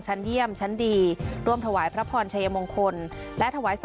ชั้นเยี่ยมชั้นดีร่วมถวายพระพรชยมงคลและถวายสัตว์